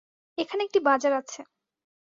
এখানে একটি বাজার আছে।